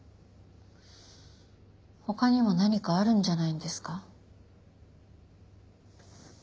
他にも何かあるんじゃないんですか？